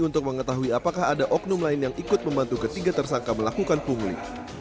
untuk mengetahui apakah ada oknum lain yang ikut membantu ketiga tersangka melakukan pungli